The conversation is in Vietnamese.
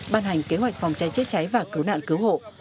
ban hành kế hoạch phòng cháy chữa cháy và cứu nạn cứu hộ